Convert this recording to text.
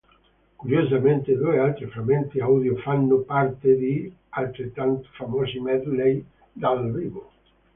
Curiosamente due altri frammenti audio fanno parte di altrettanto famosi medley dal vivo.